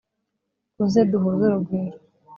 uze duhuze urugwiro